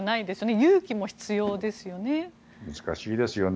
勇気も必要ですよね。